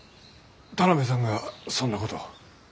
田邊さんがそんなことを。